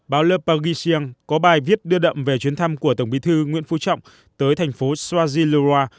báo le pagisien có bài viết đưa đậm về chuyến thăm của tổng bí thư nguyễn phú trọng tới thành phố swaziluwa